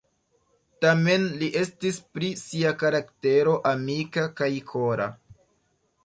Tamen li estis pri sia karaktero amika kaj kora.